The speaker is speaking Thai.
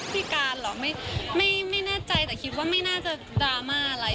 พี่การเหรอไม่แน่ใจแต่คิดว่าไม่น่าจะดราม่าอะไร